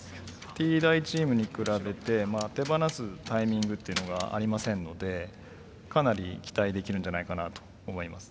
Ｔ大チームに比べて手放すタイミングっていうのがありませんのでかなり期待できるんじゃないかなと思います。